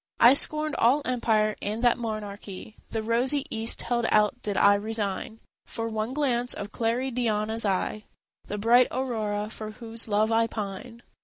I scorned all empire, and that monarchy The rosy east held out did I resign For one glance of Claridiana's eye, The bright Aurora for whose love I pine.